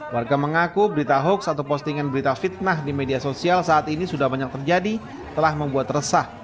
warga mengaku berita hoax atau postingan berita fitnah di media sosial saat ini sudah banyak terjadi telah membuat resah